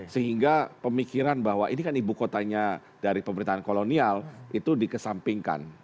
sehingga pemikiran bahwa ini kan ibu kotanya dari pemerintahan kolonial itu dikesampingkan